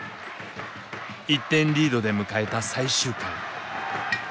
１点リードで迎えた最終回。